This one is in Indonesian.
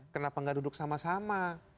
kenapa gak duduk sama sama